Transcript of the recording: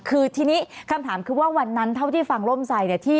คือทีนี้คำถามคือว่าวันนั้นเท่าที่ฟังร่มไซดเนี่ย